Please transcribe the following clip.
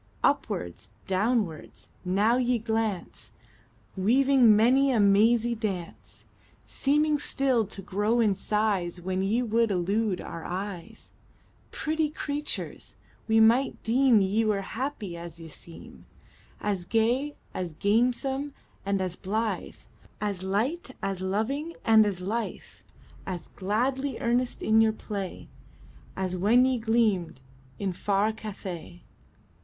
Upwards, downwards, now ye glance, Weaving many a mazy dance; Seeming still to grow in size When ye would elude our eyes Pretty creatures! we might deem Ye were happy as ye seem As gay, as gamesome, and as blithe, As light, as loving, and as lithe, As gladly earnest in your play, As when ye gleamed in far Cathay.